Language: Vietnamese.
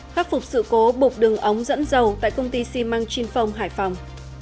khắc phục sự cố bục đường ống dẫn dầu tại công ty xi măng chin phong hải phòng